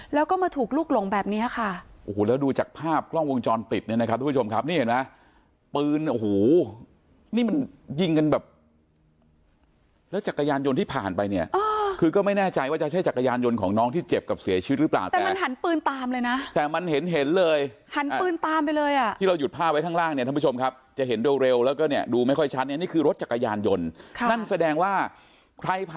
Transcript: แล้วจักรยานยนต์ที่ผ่านไปเนี้ยคือก็ไม่แน่ใจว่าจะใช้จักรยานยนต์ของน้องที่เจ็บกับเสียชีวิตหรือเปล่าแต่มันหันปืนตามเลยน่ะแต่มันเห็นเห็นเลยหันปืนตามไปเลยอ่ะที่เราหยุดผ้าไว้ข้างล่างเนี้ยท่านผู้ชมครับจะเห็นเร็วเร็วแล้วก็เนี้ยดูไม่ค่อยชัดเนี้ยนี่คือรถจักรยานยนต์ค่ะนั่นแสดงว่าใครผ่